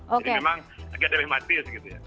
jadi memang agak agak matis gitu ya